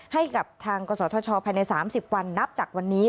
ให้กับทางกศธชภายใน๓๐วันนับจากวันนี้